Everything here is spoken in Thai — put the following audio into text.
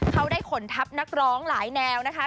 เขาได้ขนทัพนักร้องหลายแนวนะคะ